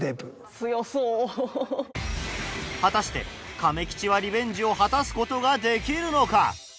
果たしてかめきちはリベンジを果たす事ができるのか？